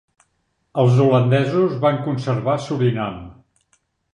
Els holandesos van conservar Surinam.